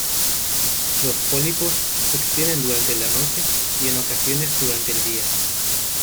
Los pólipos se extienden durante la noche, y en ocasiones, durante el día.